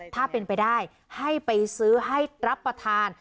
ถ้าเป็นไปได้ให้ไปซื้อให้รับประทาน